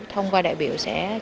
thông qua đại biểu sẽ chất vấn